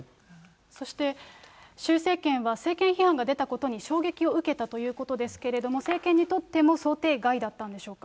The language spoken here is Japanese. そして習政権は政権批判が出たことに衝撃を受けたということですけれども、政権にとっても想定外だったんでしょうか。